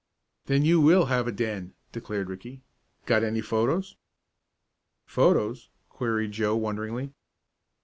"Then you will have a den!" declared Ricky. "Got any photos?" "Photos?" queried Joe wonderingly.